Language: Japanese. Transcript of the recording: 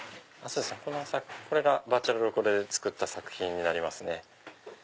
これがバーチャルろくろで作った作品になりますね。